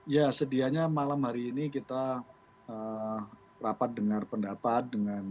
ya sedianya malam hari ini kita rapat dengar pendapat dengan